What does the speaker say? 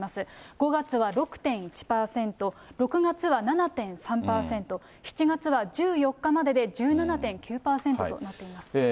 ５月は６．１％、６月は７．３％、７月は１４日までで１７．９％となっています。